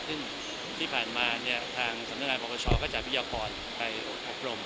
ซึ่งที่ผ่านมาทางสำนักงานปกติศาสตร์ก็จะพยาคอนไปอบรม